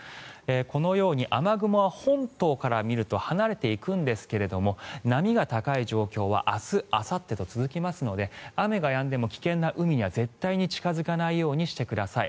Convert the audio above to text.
このように雨雲は本島から見ると離れていくんですが波が高い状況は明日あさってと続きますので雨がやんでも危険な海には絶対近付かないでください。